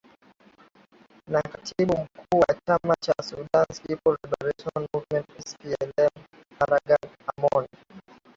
na katibu mkuu wa chama cha sudan peoples liberation movement splm pargan amoon